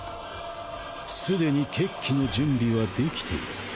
すでに決起の準備はできている。